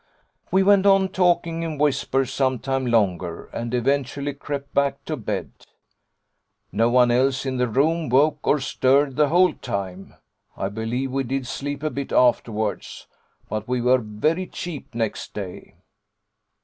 'We went on talking in whispers some time longer, and eventually crept back to bed. No one else in the room woke or stirred the whole time. I believe we did sleep a bit afterwards, but we were very cheap next day.